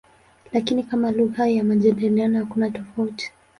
Lakini kama lugha ya majadiliano hakuna tofauti.